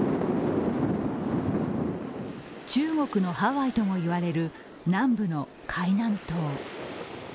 中国のハワイとも言われる南部の海南島。